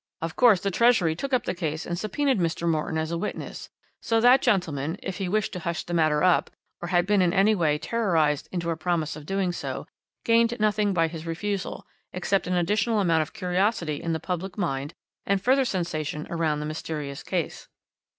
"Of course, the Treasury took up the case and subpoenaed Mr. Morton as a witness, so that gentleman if he wished to hush the matter up, or had been in any way terrorised into a promise of doing so gained nothing by his refusal, except an additional amount of curiosity in the public mind and further sensation around the mysterious case.